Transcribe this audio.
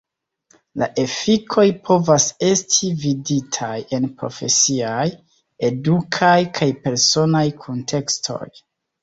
La efikoj povas esti viditaj en profesiaj, edukaj kaj personaj kuntekstoj.